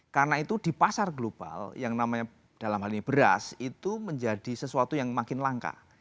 karena itu di pasar global yang namanya dalam hal ini beras itu menjadi sesuatu yang makin langka